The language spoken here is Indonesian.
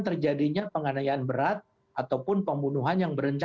terjadinya penganaian berat ataupun